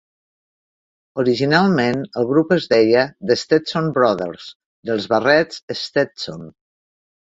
Originalment, el grup es deia The Stetson Brothers, dels barrets Stetson.